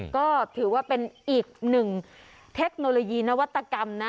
ก็ถือว่าเป็นอีกหนึ่งเทคโนโลยีนวัตกรรมนะ